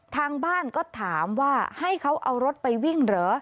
ทางบ้านก็ถามว่าให้เขาเอารถไปวิ่งเหรอ